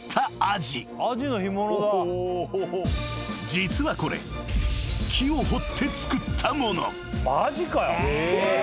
［実はこれ木を彫って作ったもの］